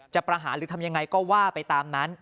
ประหารหรือทำยังไงก็ว่าไปตามนั้น